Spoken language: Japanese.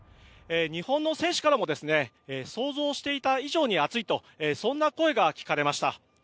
日本の選手からも想像していた以上に暑いとそんな声が聞かれました。